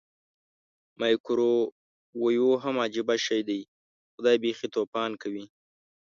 مایکرو ویو هم عجبه شی دی پخدای بیخې توپان کوي.